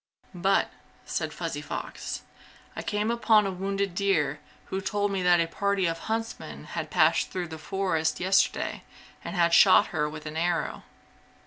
"But," said Fuzzy Fox, "I came upon a wounded deer who told me that a party of huntsmen had passed through the forest yesterday and had shot her with an arrow."